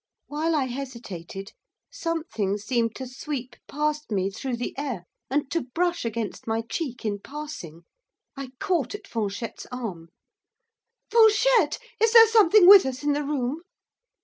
While I hesitated, something seemed to sweep past me through the air, and to brush against my cheek in passing. I caught at Fanchette's arm. 'Fanchette! Is there something with us in the room?